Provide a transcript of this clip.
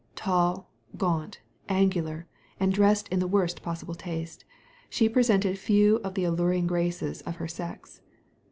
Tall, gaunt, angular, and dressed in the worst possible taste, she presented few of the alluring graces of her sex.